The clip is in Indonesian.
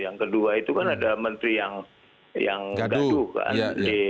yang kedua itu kan ada menteri yang gaduh kan